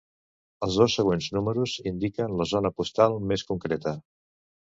Els dos següents números indiquen la zona postal més concreta.